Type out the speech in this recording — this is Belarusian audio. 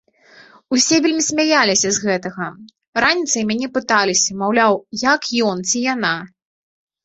Усе вельмі смяяліся з гэтага, раніцай мяне пыталіся, маўляў, як ён, ці яна?